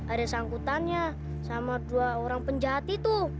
ada sangkutannya sama dua orang penjahat itu